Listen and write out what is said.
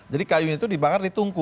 jadi kayunya itu dibakar di tungku